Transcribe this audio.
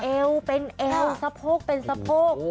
เอวเป็นเอวสะโพกเป็นสะโพก